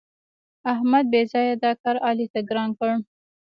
احمد بېځآیه دا کار علي ته ګران کړ.